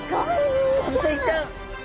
ゴンズイちゃん！